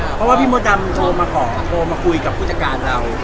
เพราะว่าพี่มดดำโทรมาขอโทรมาคุยกับผู้จัดการเรา